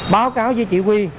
báo cáo với chỉ huy